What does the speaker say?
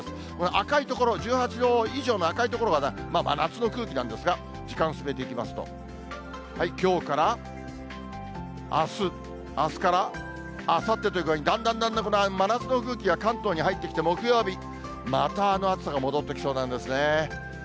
赤い所、１８度以上の赤い所は真夏の空気なんですが、時間進めていきますと、きょうからあす、あすからあさってという具合に、だんだんだんだん、この真夏の空気が関東に入ってきて、木曜日、またあの暑さが戻ってきそうなんですね。